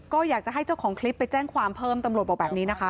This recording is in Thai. ก็อยากจะให้เจ้าของคลิปไปแจ้งความเพิ่มตำรวจบอกแบบนี้นะคะ